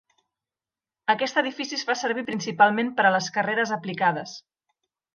Aquest edifici es fa servir principalment per a les carreres aplicades.